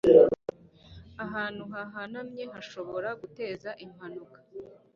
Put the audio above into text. Ahantu hahanamye hashobora guteza impanuka